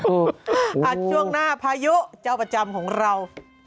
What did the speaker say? ช่วงหน้าพายุเจ้าประจำของเรา